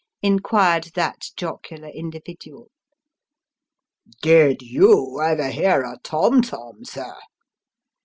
" inquired that jocular individual. " Did you ever hear a tom tom, sir